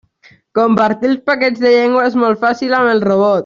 Compartir els paquets de llengua és molt fàcil amb el robot.